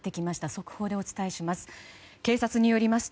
速報でお伝えします。